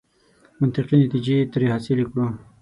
منطقي نتیجې ترې حاصلې کړو.